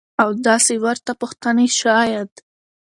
او داسې ورته پوښتنې شايد.